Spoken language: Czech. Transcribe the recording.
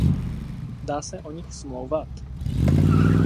Dá se o nich smlouvat?